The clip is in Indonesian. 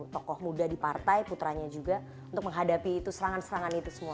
tokoh muda di partai putranya juga untuk menghadapi itu serangan serangan itu semua